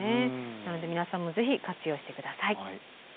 なので皆さんもぜひ活用して下さい。